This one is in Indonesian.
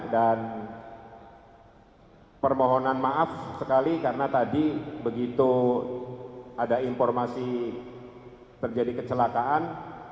dan permohonan maaf sekali karena tadi begitu ada informasi terjadi kecelakaan